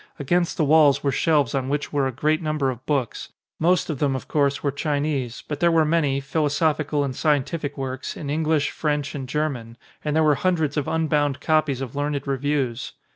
Against the walls were shelves on which were a great num ber of books: most of them, of course, were Chi nese, but there were many, philosophical and sci entific works, in English, French and German; and there were hundreds of unbound copies of learned reviews.